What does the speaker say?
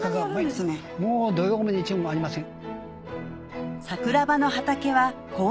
もう土曜も日曜もありません。